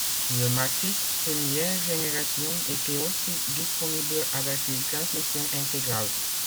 Le Matrix première génération était aussi disponible avec une transmission intégrale.